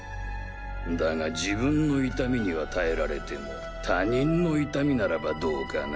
だが自分の痛みには耐えられても他人の痛みならばどうかな？